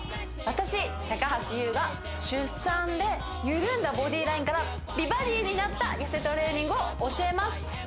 私高橋ユウが出産でゆるんだボディラインから美バディになった痩せトレーニングを教えます